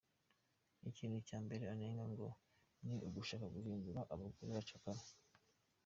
Ikintu cya mbere anengwa ngo ni ugushaka guhindura abagore abacakara.